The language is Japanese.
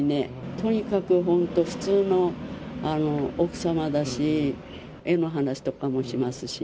とにかく本当、普通の奥様だし、絵の話とかもしますし。